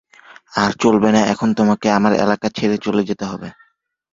আর চলবে না, এখন তোমাকে আমার এলাকা ছেড়ে চলে যেতে হবে।